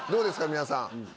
皆さん。